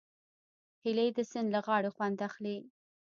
هیلۍ د سیند له غاړې خوند اخلي